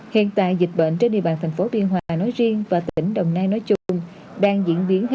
hiện tại dịch bệnh trên địa bàn thành phố biên hòa nói riêng